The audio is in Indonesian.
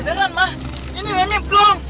beneran ma ini remeh belum